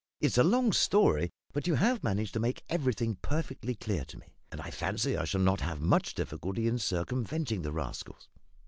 "It is a long story, but you have managed to make everything perfectly clear to me; and I fancy I shall not have much difficulty in circumventing the rascals.